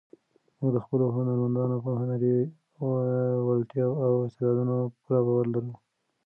موږ د خپلو هنرمندانو په هنري وړتیاوو او استعدادونو پوره باور لرو.